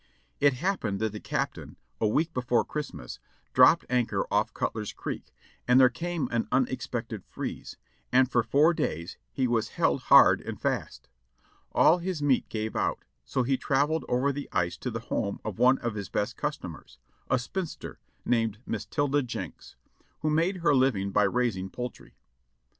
"It happened that the Captain, a week before Christmas, dropped anchor of¥ Cutler's Creek, and there came an unexpected freeze, and for four days he was held hard and fast. All his meat gave out, so he traveled over the ice to the home of one of his best cus tomers, a spinster named Miss Tilda Jenks, who made her living by raising poultry.